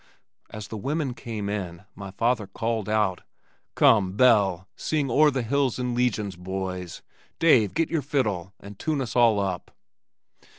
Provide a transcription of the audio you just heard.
As the women came in, my father called out, "Come, Belle, sing 'O'er the Hills in Legions Boys!' Dave get out your fiddle and tune us all up."